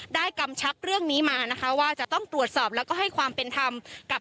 กำชับเรื่องนี้มานะคะว่าจะต้องตรวจสอบแล้วก็ให้ความเป็นธรรมกับ